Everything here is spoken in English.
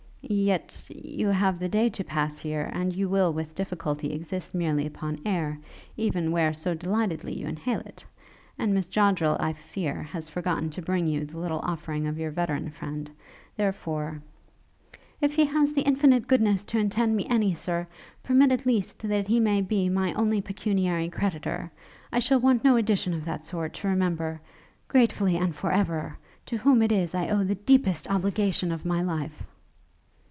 'Yet you have the day to pass here; and you will with difficulty exist merely upon air, even where so delightedly you inhale it; and Miss Joddrel, I fear, has forgotten to bring you the little offering of your veteran friend; therefore ' 'If he has the infinite goodness to intend me any, sir, permit, at least, that he may be my only pecuniary creditor! I shall want no addition of that sort, to remember, gratefully and for ever! to whom it is I owe the deepest obligation of my life!'